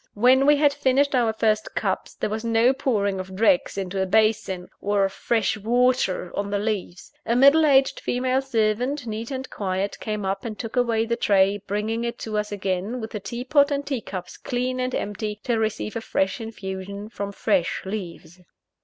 When we had finished our first cups, there was no pouring of dregs into a basin, or of fresh water on the leaves. A middle aged female servant, neat and quiet, came up and took away the tray, bringing it to us again with the tea pot and tea cups clean and empty, to receive a fresh infusion from fresh leaves.